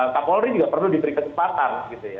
kapolri juga perlu diberi kesempatan